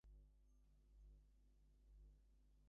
Frederick Douglass was inspired by The Liberator.